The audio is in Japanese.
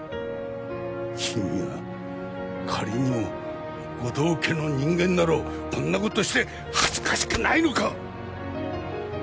君は仮にも護道家の人間だろこんなことして恥ずかしくないのか！？